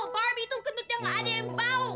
barbie itu kentutnya gak ada yang bau